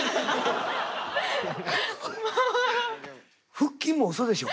腹筋もうそでしょ？